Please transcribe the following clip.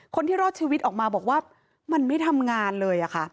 คนที่รอดชีวิตออกมาบอกว่ามันไม่ทำงานเลยค่ะ